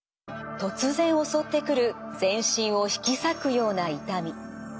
突然襲ってくる全身を引き裂くような痛み。